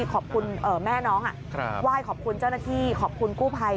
ขอบคุณแม่น้องไหว้ขอบคุณเจ้าหน้าที่ขอบคุณกู้ภัย